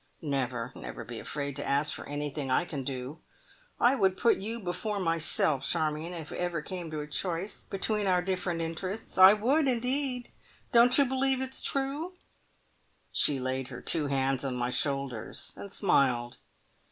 Never, never be afraid to ask for anything I can do. I would put you before myself, Charmion, if it ever came to a choice between our different interests I would indeed! Don't you believe it is true?" She laid her two hands on my shoulders and smiled.